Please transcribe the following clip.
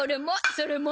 それも！